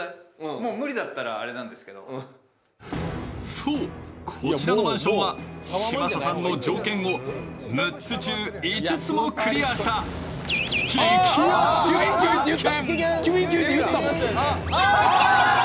そう、こちらのマンションは嶋佐さんの条件を６つ中５つもクリアした激熱物件！